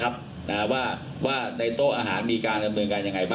ที่จะออกมาว่าในโต๊ะอาหารมีเงินการยังไงป่ะ